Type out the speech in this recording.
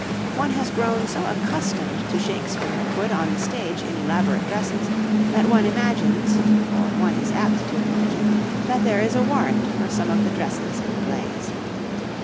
One has grown so accustomed to Shakespeare put on the stage in elaborate dresses that one imagines, or one is apt to imagine, that there is a warrant for some of the dresses in the plays.